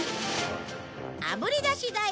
あぶり出しだよ。